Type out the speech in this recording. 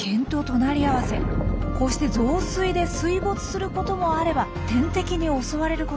こうして増水で水没することもあれば天敵に襲われることも。